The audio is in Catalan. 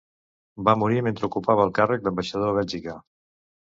Va morir mentre ocupava el càrrec d'ambaixador a Bèlgica.